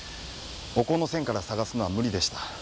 お香の線から捜すのは無理でした。